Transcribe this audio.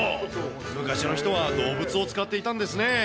昔の人は動物を使っていたんですね。